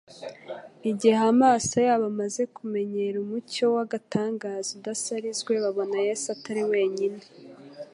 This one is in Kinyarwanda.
Igihe amaso yabo amaze kumenyeraumucyo w'agatangaza udasarizwe, babona Yesu atari wenyine.